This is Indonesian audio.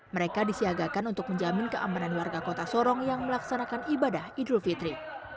mereka disiagakan untuk menjamin keamanan warga kota sorong yang melaksanakan ibadah idul fitri